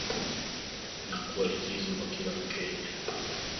na kuwa likizo kwa kila mkenya